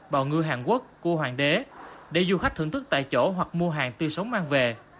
bào ngư hàn quốc cua hoàng đế để du khách thưởng thức tại chỗ hoặc mua hàng tươi sống mang về